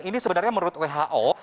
ini sebenarnya menurut who